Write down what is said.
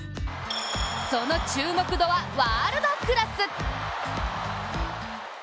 その注目度はワールドクラス。